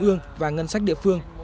ương và ngân sách địa phương